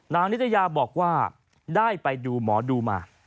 นิตยาบอกว่าได้ไปดูหมอดูมา